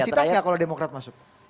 komensitas enggak kalau demokrat masuk